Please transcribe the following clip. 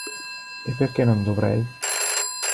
E perché non dovrei?